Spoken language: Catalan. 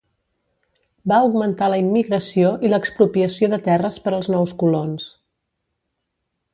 Va augmentar la immigració i l'expropiació de terres per als nous colons.